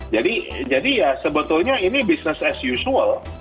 jadi ya sebetulnya ini bisnis as usual